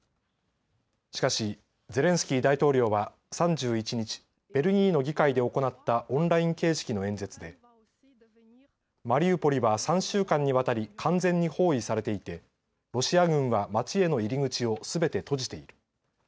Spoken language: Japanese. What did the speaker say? しかしゼレンスキー大統領は３１日、ベルギーの議会で行ったオンライン形式の演説でマリウポリは３週間にわたり完全に包囲されていてロシア軍は街への入り口をすべて閉じている。